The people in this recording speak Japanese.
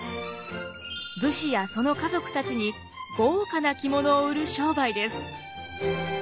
武士やその家族たちに豪華な着物を売る商売です。